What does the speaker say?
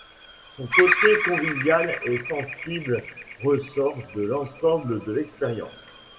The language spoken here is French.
Son côté convivial et sensible ressort de l'ensemble de l'expérience.